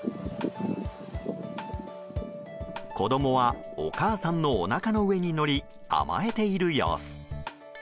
子供はお母さんのおなかの上に乗り甘えている様子。